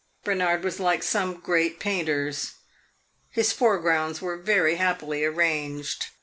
Bernard was like some great painters; his foregrounds were very happily arranged.